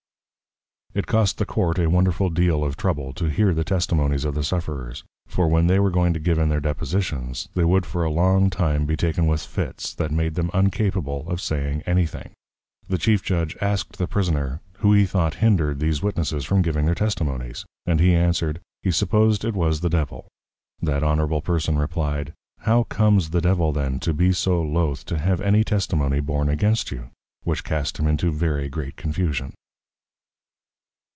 It cost the Court a wonderful deal of Trouble, to hear the Testimonies of the Sufferers; for when they were going to give in their Depositions, they would for a long time be taken with Fits, that made them uncapable of saying any thing. The Chief Judg asked the Prisoner, who he thought hindred these Witnesses from giving their Testimonies? And he answered, He supposed it was the Devil. That Honourable Person replied, How comes the Devil then to be so loath to have any Testimony born against you? Which cast him into very great Confusion.